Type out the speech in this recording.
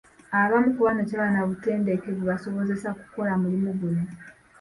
Abamu ku bano tebaba na butendeke bubasobozesa kukola mulimu guno.